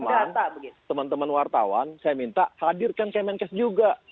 teman teman wartawan saya minta hadirkan kemenkes juga